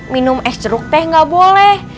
minum es jeruk teh nggak boleh